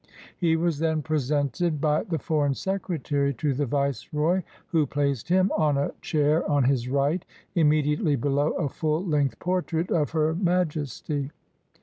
He was then presented by the Foreign Secretary to the Viceroy, who placed him on a chair on his right, immediately below a full length portrait of Her Majesty.